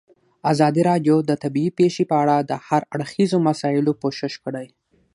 ازادي راډیو د طبیعي پېښې په اړه د هر اړخیزو مسایلو پوښښ کړی.